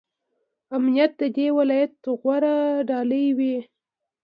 امنیت د دې ولایت غوره ډالۍ وي.